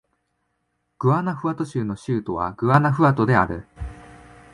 グアナフアト州の州都はグアナフアトである